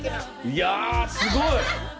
いやすごい！